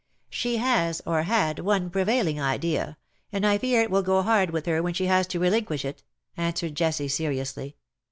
'' She has — or had — one prevailing idea, and I fear it will go hard with her when she has to relinquish it/' answered Jessie, seriously.